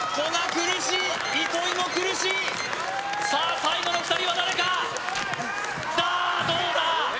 苦しい糸井も苦しいさあ最後の２人は誰かさあどうだ？